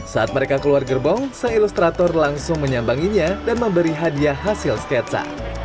saat mereka keluar gerbong sang ilustrator langsung menyambanginya dan memberi hadiah hasil sketsa